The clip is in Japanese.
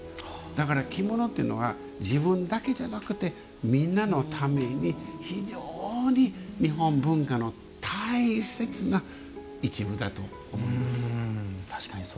だから、着物っていうのは自分だけじゃなくてみんなのために、非常に日本文化の大切な一部だと思います。